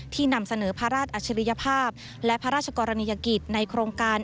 นำเสนอพระราชอัจฉริยภาพและพระราชกรณียกิจในโครงการ